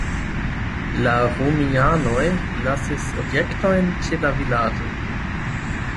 La romianoj lasis objektojn ĉe la vilaĝo.